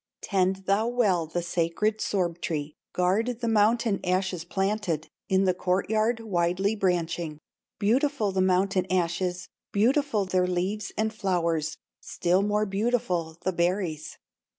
Tend thou well the sacred sorb tree, Guard the mountain ashes planted In the court yard, widely branching; Beautiful the mountain ashes, Beautiful their leaves and flowers, Still more beautiful the berries.